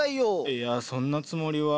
いやそんなつもりは。